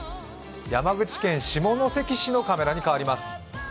山口県下関市のカメラに変わります。